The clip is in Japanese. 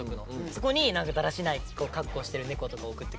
そこにだらしない格好してる猫とか送ってくれて。